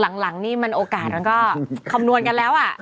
หลังนี่มันโอกาสมันก็คำนวณกันแล้วอ่ะ